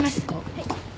はい。